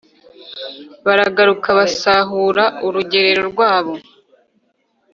baragaruka basahura urugerero rwabo.